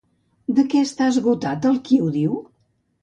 De què està esgotat el qui ho diu?